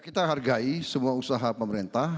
kita hargai semua usaha pemerintah